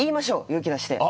勇気を出して。